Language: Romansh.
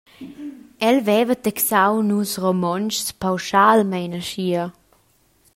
El veva taxau nus Romontschs pauschalmein aschia.